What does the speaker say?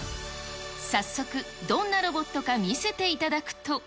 早速、どんなロボットが見せていただくと。